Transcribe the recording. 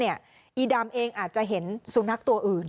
อีดำเองอาจจะเห็นสุนัขตัวอื่น